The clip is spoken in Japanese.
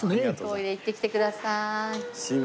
トイレ行ってきてください。